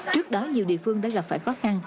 trước đó nhiều địa phương đã gặp phải khó khăn